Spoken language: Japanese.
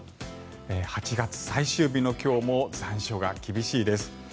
８月最終日の今日も残暑が厳しいです。